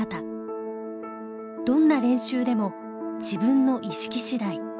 「どんな練習でも自分の意識次第」。